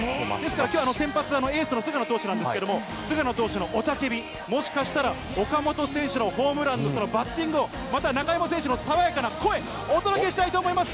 きょう、先発、エースの菅野投手なんですけれども、菅野投手の雄たけび、もしかしたら岡本選手のホームランのそのバッティングを、また、中山選手の爽やかな声、お届けしたいと思います。